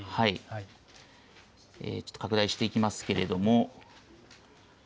ちょっと拡大していきますけども。